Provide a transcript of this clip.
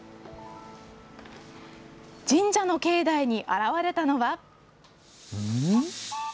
神社の境内に現れたのは。